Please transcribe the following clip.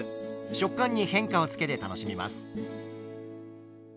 食感に変化をつけて楽しみます。